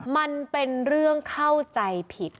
มันเป็นเรื่องเข้าใจผิด